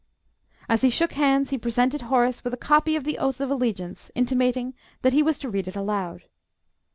As he shook hands he presented Horace with a copy of the Oath of Allegiance, intimating that he was to read it aloud.